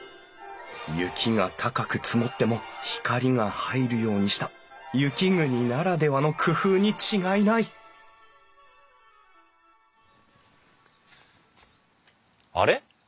雪が高く積もっても光が入るようにした雪国ならではの工夫に違いないあれ？